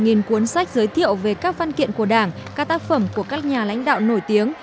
nghìn cuốn sách giới thiệu về các văn kiện của đảng các tác phẩm của các nhà lãnh đạo nổi tiếng